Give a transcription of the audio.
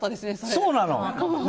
そうなの。